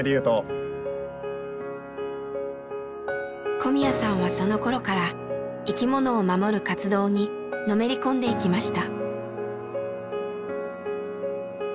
小宮さんはそのころから生きものを守る活動にのめり込んでいきました。